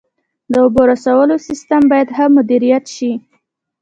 د اوبو رسولو سیستم باید ښه مدیریت شي.